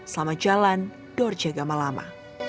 selamat jalan dorce gama lama